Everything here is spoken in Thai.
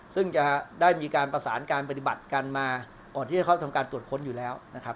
ซึ่งจะได้มีการประสานการปฏิบัติกันมาก่อนที่จะเข้าทำการตรวจค้นอยู่แล้วนะครับ